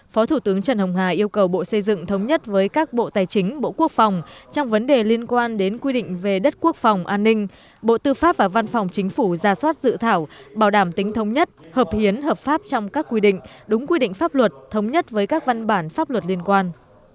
phó thủ tướng trần hồng hà yêu cầu bộ xây dựng thống nhất với các bộ tài chính bộ quốc phòng trong vấn đề liên quan đến quy định về đất quốc phòng an ninh bộ tư pháp và văn phòng chính phủ ra soát dự thảo bảo đảm tính thống nhất hợp hiến hợp pháp trong các quy định đúng quy định pháp luật thống nhất với các văn bản pháp luật liên quan